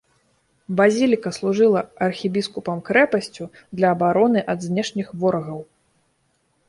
Базіліка служыла архібіскупам крэпасцю для абароны ад знешніх ворагаў.